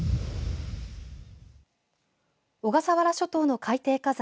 小笠原諸島の海底火山